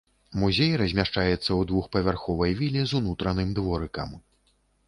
Музей размяшчаецца ў двухпавярховай віле з унутраным дворыкам.